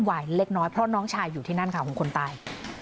วายเล็กน้อยเพราะน้องชายอยู่ที่นั่นค่ะของคนตาย